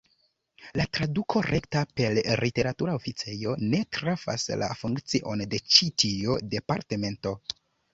La traduko rekta per "literatura oficejo" ne trafas la funkcion de ĉi tio departemento.